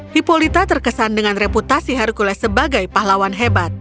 hipolita terkesan dengan reputasi hercules sebagai pahlawan hebat